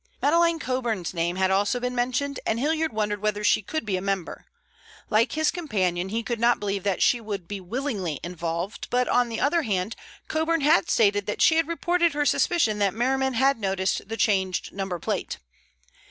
Madeleine Coburn's name had also been mentioned, and Hilliard wondered whether she could be a member. Like his companion he could not believe that she would be willingly involved, but on the other hand Coburn had stated that she had reported her suspicion that Merriman had noticed the changed number plate.